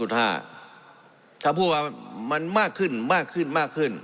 ถ้าพูดว่ามันมากขึ้นมากขึ้นมากขึ้น